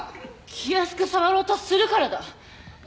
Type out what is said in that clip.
気安く触ろうとするからだ。